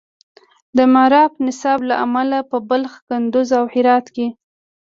د معارف نصاب له امله په بلخ، کندز، او هرات کې